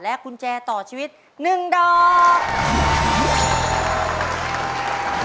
กุญแจต่อชีวิต๑ดอก